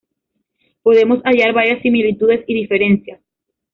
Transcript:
Podemos hallar varías similitudes y diferencias.